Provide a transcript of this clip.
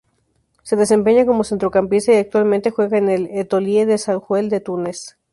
Se desempeña como centrocampista y actualmente juega en el Étoile du Sahel de Túnez.